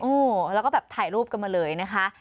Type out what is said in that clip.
อู้แล้วก็ถ่ายรูปกันมาเลยนะคะ